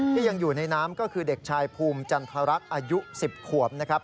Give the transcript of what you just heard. ที่ยังอยู่ในน้ำก็คือเด็กชายภูมิจันทรรักษ์อายุ๑๐ขวบนะครับ